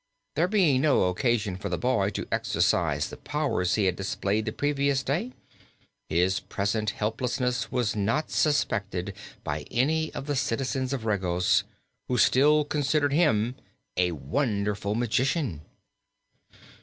There being no occasion for the boy to exercise the powers he had displayed the previous day, his present helplessness was not suspected by any of the citizens of Regos, who still considered him a wonderful magician.